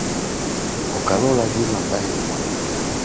oka lola jim ambaye ni mwalimu